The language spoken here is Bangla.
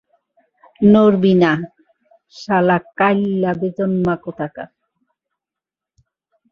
নড়বি না, শালা কাইল্লা বেজন্মা কোথাকার।